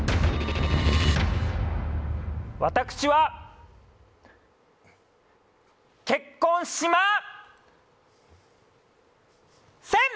私は結婚しません！